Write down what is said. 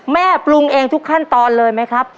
ปรุงเองทุกขั้นตอนเลยไหมครับ